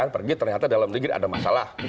pergi ternyata dalam negeri ada masalah